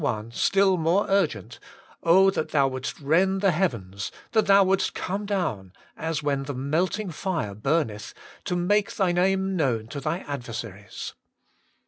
1, still more urgent, ' Oh that Thou wouldest rend the heavens, that thou wouldest come down, ... as when the melting fire burneth, to make Thy name known to Thy adversaries